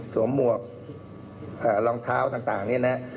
หมวกรองเท้าต่างนี่นะ